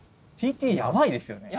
ＣＴやばいですよね。